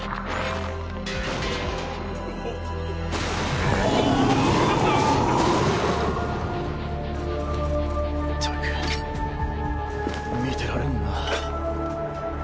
ったく見てられんな。